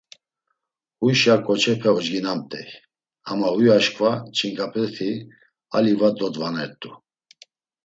Huyşa ǩoçepe ocginamt̆ey ama huy aşǩva ç̌inǩapeti ali va dodvanert̆u.